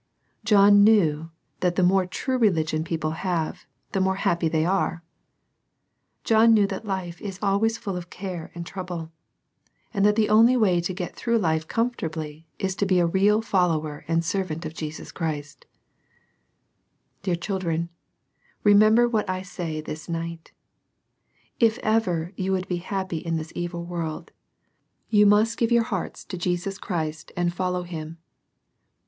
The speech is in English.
John knew that the more true religion people have, the more happy they are. John knew that life is always full of care and trouble, and that the only way to get through life comfortably is to be a real follower and servant of Jesus Christ Dear children, remember what I say this night: — If ever you would be happy in this evil world, you must give yova YisasX^ xck^^^^a* 36 SERMONS FOR CHILDREN. Christ, and follow Him.